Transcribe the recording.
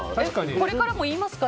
これからも言いますか？